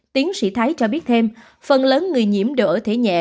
tiến sĩ thái cho biết thêm phần lớn người nhiễm đều ở thể nhẹ